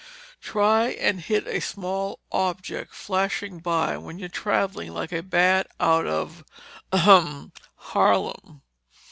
Try and hit a small object flashing by when you're traveling like a bat out of—ahem!—Harlem.